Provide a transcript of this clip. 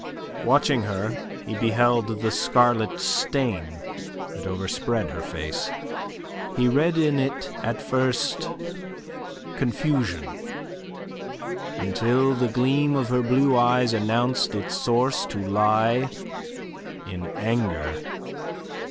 Watching her he beheld the scarlet stain that overspread her face. He read in it at first confusion, until the gleam of her blue eyes announced its source to lie in anger.